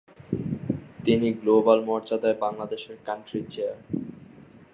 তিনি গ্লোবাল মর্যাদায় বাংলাদেশের কান্ট্রি চেয়ার।